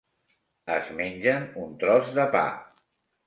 Es mengen un tros de pa.